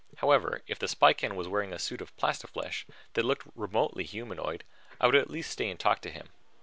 However, if the Spican was wearing a suit of plastiflesh that looked remotely humanoid, I would at least stay and talk to him.